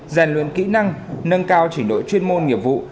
gian luyện kỹ năng nâng cao chỉnh đội chuyên môn nghiệp vụ